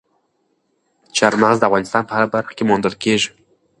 چار مغز د افغانستان په هره برخه کې موندل کېږي.